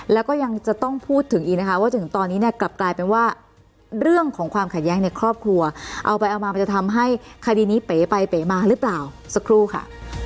แล้วก็ยังจะต้องพูดถึงอีกนะคะว่าจนถึงตอนนี้เนี่ยกลับกลายเป็นว่าเรื่องของความขัดแย้งในครอบครัวเอาไปเอามามันจะทำให้คดีนี้เป๋ไปเป๋มาหรือเปล่าสักครู่ค่ะ